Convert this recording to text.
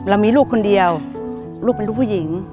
เรามีลูกคนเดียวลูกเป็นลูกผู้หญิง